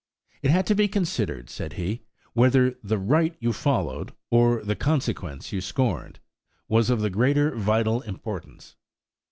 It had to be considered, said he, whether the "right" you followed, or the "consequence" you scorned, was of the greater vital importance.